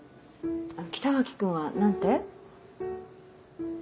北脇君は何て？